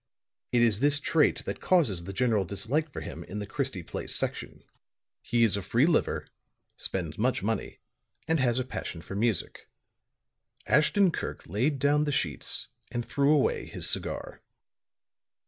It is this trait that causes the general dislike for him in the Christie Place section. "He is a free liver, spends much money and has a passion for music." Ashton Kirk laid down the sheets and threw away his cigar.